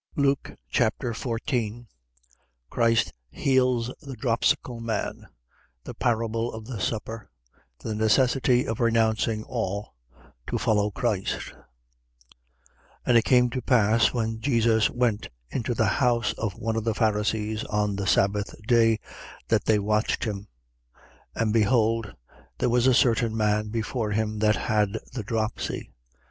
Luke Chapter 14 Christ heals the dropsical man. The parable of the supper. The necessity of renouncing all to follow Christ. 14:1. And it came to pass, when Jesus went into the house of one of the Pharisees, on the sabbath day, that they watched him. 14:2. And behold, there was a certain man before him that had the dropsy.